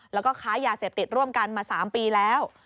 แล้วก็ค้ายาเสพติดร่วมกันมา๓ปีแล้ว